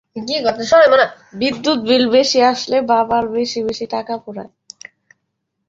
পঞ্জিকার মূল রূপান্তর রূপান্তর।